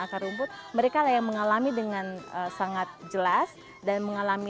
akar rumput mereka yang mengalami dengan sangat jelas dan mengalami